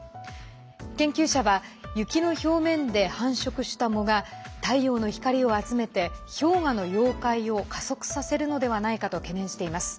研究者は雪の表面で繁殖した藻が太陽の光を集めて氷河の溶解を加速させるのではないかと懸念しています。